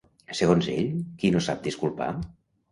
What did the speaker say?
Segons ell, qui no sap disculpar?